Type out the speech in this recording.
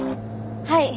はい。